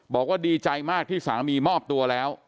บอกว่าดีใจมากที่สามีมอบตัวแล้ว